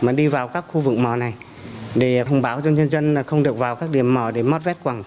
mà đi vào các khu vực mỏ này để thông báo cho dân dân không được vào các điểm mỏ để mót vét quạng